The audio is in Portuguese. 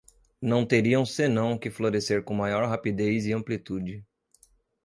não teriam senão que florescer com maior rapidez e amplitude